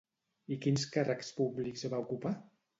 I quins càrrecs públics va ocupar?